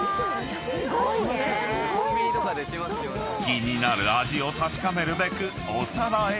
［気になる味を確かめるべくお皿へ］